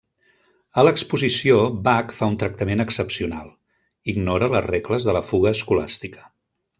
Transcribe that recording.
A l'exposició, Bach fa un tractament excepcional; ignora les regles de la fuga escolàstica.